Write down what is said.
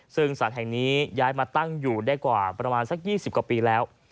ซึ่งสัตว์แห่งนี้ย้ายมาตั้งอยู่ได้กว่าประมาณสัก๒๐กว่าปีแล้ว